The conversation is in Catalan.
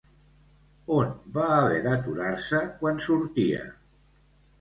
On va haver d'aturar-se quan sortia?